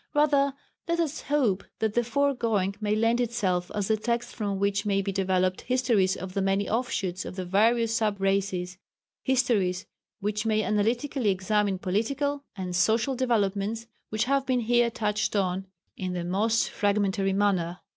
Rather let us hope that the foregoing may lend itself as the text from which may be developed histories of the many offshoots of the various sub races histories which may analytically examine political and social developments which have been here touched on in the most fragmentary manner.